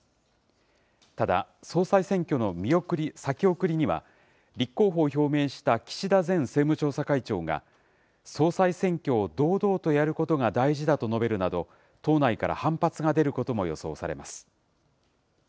ただ、総裁選挙の先送りについて、立候補を表明した岸田前政務調査会長が、総裁選挙を堂々とやることが大事だと述べるなど、党内から反発が出ることも予想されます。